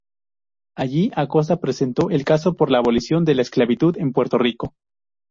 Allí, Acosta presentó el caso por la abolición de la esclavitud en Puerto Rico.